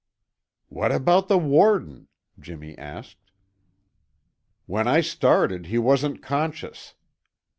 "What about the warden?" Jimmy asked. "When I started he wasn't conscious.